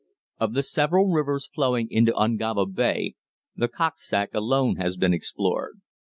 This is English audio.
Of the several rivers flowing into Ungava Bay, the Koksoak alone has been explored.